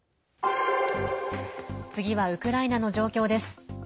次はウクライナの状況です。